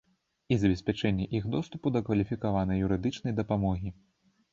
І забеспячэнне іх доступу да кваліфікаванай юрыдычнай дапамогі.